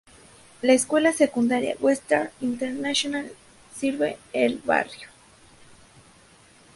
La Escuela Secundaria Western International sirve el barrio.